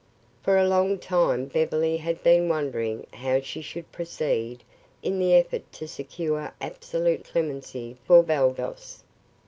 For a long time Beverly had been wondering how she should proceed in the effort to secure absolute clemency for Baldos.